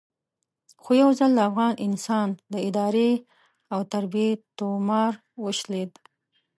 خو یو ځل د افغان انسان د ادارې او تربیې تومار وشلېد.